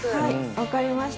分かりました。